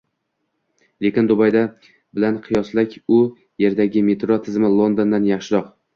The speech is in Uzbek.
Lekin Dubayda bilan qiyoslasak, u yerdagi metro tizimi Londondan yaxshiroq